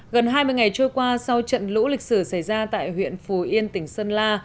gần hai mươi ngày trôi qua sau trận lũ lịch sử xảy ra tại huyện phù yên tỉnh sơn la